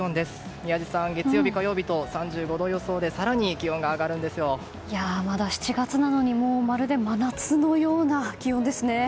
宮司さん、月曜日、火曜日と３５度予想でまだ７月なのにまるで真夏のような気温ですね。